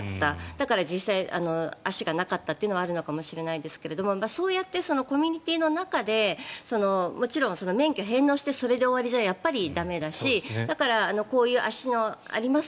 だから実際足がなかったということはあるのかもしれませんがそうやってコミュニティーの中でもちろん免許返納してそれで終わりじゃ駄目だし足があります